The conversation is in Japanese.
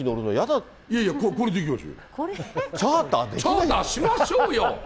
チャーターしましょうよ。